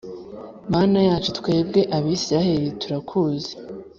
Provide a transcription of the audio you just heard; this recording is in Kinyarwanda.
Mana yacu twebwe Abisirayeli turakuzi.